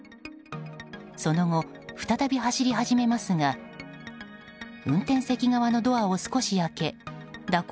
その後、再び走り始めますが運転席側のドアを少し開け蛇行